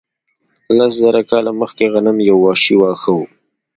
لس زره کاله مخکې غنم یو وحشي واښه و.